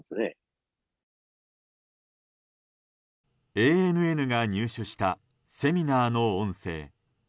ＡＮＮが入手したセミナーの音声。